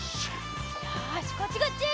よしこっちこっち！